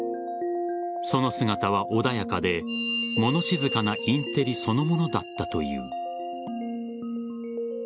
その姿は穏やかで物静かなインテリそのものだったという。